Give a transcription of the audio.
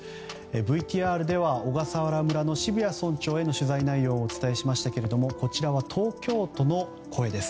ＶＴＲでは小笠原村の渋谷村長への取材内容をお伝えしましたがこちらは東京都の声です。